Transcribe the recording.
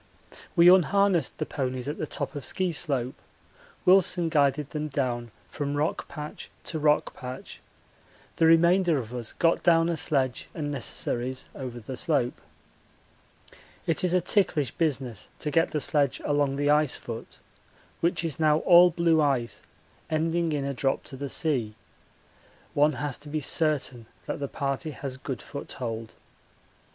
We unharnessed the ponies at the top of Ski slope Wilson guided them down from rock patch to rock patch; the remainder of us got down a sledge and necessaries over the slope. It is a ticklish business to get the sledge along the ice foot, which is now all blue ice ending in a drop to the sea. One has to be certain that the party has good foothold.